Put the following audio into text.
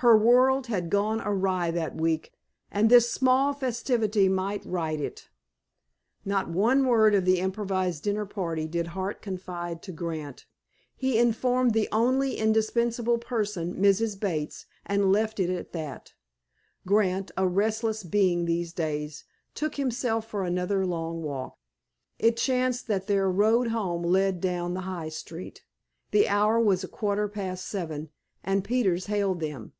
Her world had gone awry that week, and this small festivity might right it. Not one word of the improvised dinner party did Hart confide to Grant. He informed the only indispensable person, Mrs. Bates, and left it at that. Grant, a restless being these days, took him for another long walk. It chanced that their road home led down the high street. The hour was a quarter past seven, and Peters hailed them.